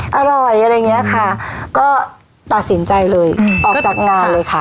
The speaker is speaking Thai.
อร่อยอะไรอย่างเงี้ยค่ะก็ตัดสินใจเลยออกจากงานเลยค่ะ